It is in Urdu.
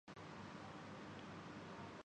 تو میچ پھر سہی۔